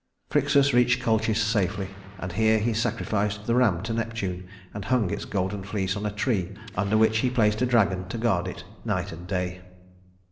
Phryxus reached Colchis safely, and here he sacrificed the ram to Neptune, and hung its golden fleece on a tree under which he placed a dragon to guard it night and day.